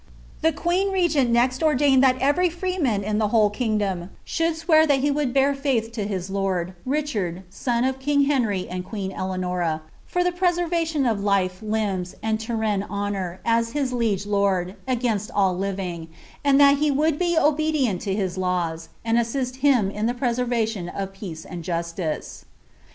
The queen regent next ordained that ^ every freeman of the whole wdom should swear that he would bear faith to his lord, Richard, son fking Henry and queen Eleanora, for the preservation of life, limbs, ad tenene honour, as his liege lord, against all living ; and that he ponld be obedient to bis laws, and assist him in the preservation of eaoe and justice."